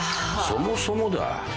そもそもだ。